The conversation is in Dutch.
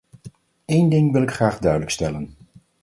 Eén ding wil ik graag duidelijk stellen.